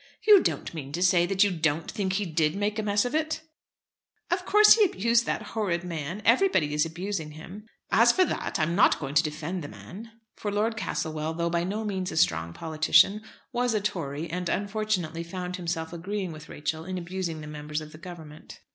"You don't mean to say that you don't think he did make a mess of it?" "Of course he abused that horrid man. Everybody is abusing him." "As for that, I'm not going to defend the man." For Lord Castlewell, though by no means a strong politician, was a Tory, and unfortunately found himself agreeing with Rachel in abusing the members of the Government.